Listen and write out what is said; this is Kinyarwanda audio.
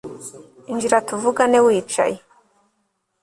injira tuvugane wicaye